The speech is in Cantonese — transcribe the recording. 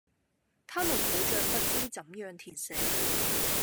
她們好像不知怎樣填寫